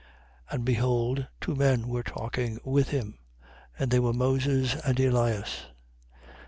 9:30. And behold two men were talking with him. And they were Moses and Elias, 9:31.